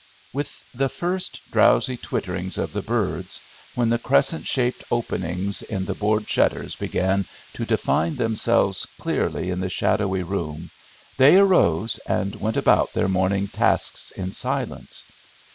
With the first drowsy twitterings of the birds, when the crescent shaped openings in the board shutters began to define themselves clearly in the shadowy room, they arose and went about their morning tasks in silence.